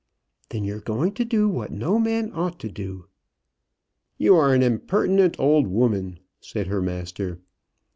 "Then you're going to do what no man ought to do." "You are an impertinent old woman," said her master.